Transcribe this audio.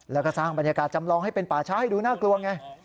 แล้วก็สร้างบรรยากาศจำลองให้เป็นป่าช้าให้ดูน่ากลัวไง